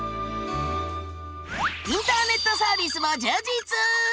インターネットサービスも充実！